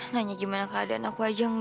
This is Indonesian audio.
nanya gimana keadaan aku aja